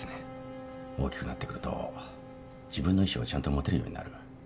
大きくなってくると自分の意思をちゃんと持てるようになる。